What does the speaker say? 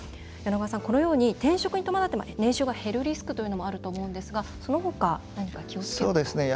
このように転職に伴って年収が減るリスクもあると思うんですがそのほか、何か気をつけることはありますか？